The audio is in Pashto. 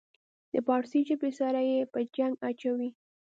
د پارسي ژبې سره یې په جنګ اچوي.